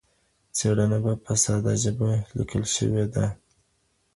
څېړنه په ساده ژبه لیکل شوې ده.